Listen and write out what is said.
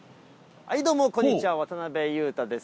はい、どうもこんにちは、渡辺裕太です。